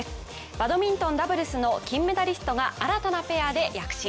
バドミントンダブルスの金メダリストが新たなコンビで躍進。